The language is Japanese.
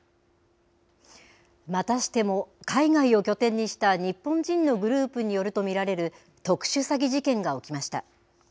またしても、海外を拠点にした日本人のグループによると見られる特殊詐欺事件が起きました。